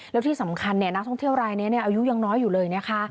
แล้วที่สำคัญนักท่องเที่ยวรายนี้อายุยังน้อยอยู่เลยนะคะ